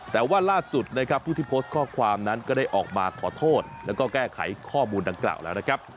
แต่ว่าล่าสุดผู้ที่โพสต์ข้อความนั้นก็ได้ออกมาขอโทษและแก้ไขข้อมูลดังกล่าวแล้ว